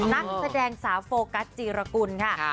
นักแสดงสาวโฟกัสจีรกุลค่ะ